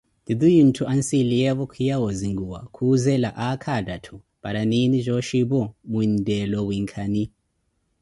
Titiyunthu anssiliyevo kwiya osinkuwa, khuzela aakha athaathu? Paara nini oshxi aphoo, mwinthela owinkani?